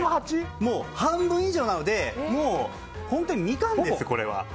もう半分以上なので本当にミカンです、これは。